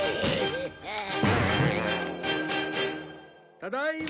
ただいま。